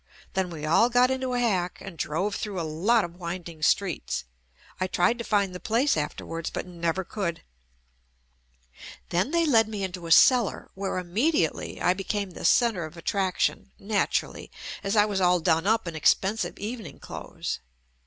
Then we all got into a hack and drove through a lot of winding streets (I tried to find the place afterwards but never could) . Then they led me into a cellar where immediately I be came the centre of attraction, naturally, as I was all done up in expensive evening clothes.